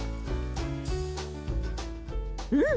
うん！